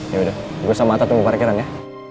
yaudah gue sama atta tunggu parkiran ya